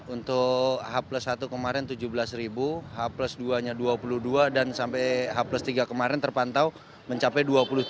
untuk h satu kemarin tujuh belas h plus dua nya dua puluh dua dan sampai h tiga kemarin terpantau mencapai dua puluh tujuh